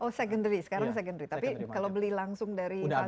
oh secondary sekarang secondary tapi kalau beli langsung dari